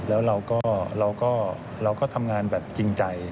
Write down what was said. แล้วเราก็ทำงานแบบจริงใจ